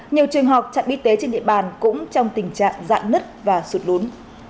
nhiều trường học chặn bi tế trên địa bàn cũng trong tình trạng dạng nứt và sụt đuốn